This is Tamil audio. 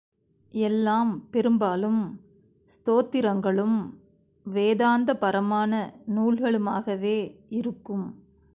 எல்லாம் பெரும்பாலும் ஸ்தோத்திரங்களும் வேதாந்தபரமான நூல்களுமாகவே இருக்கும்.